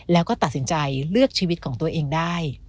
แล้วก็ตัดสินใจเลือกชีวิตของตัวเองได้